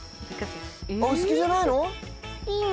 好きじゃないの？